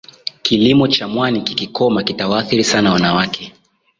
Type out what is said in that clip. Kilimo cha mwani kikikoma kitawaathiri sana wanawake